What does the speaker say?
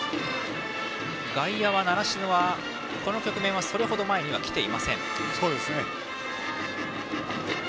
外野は、習志野はこの局面はそれほど前に来ていません。